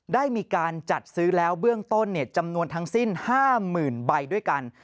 ได้มีการจัดซื้อแล้วเบื้องต้นจำนวนทั้งสิ้น๕๐๐๐ใบด้วยกัน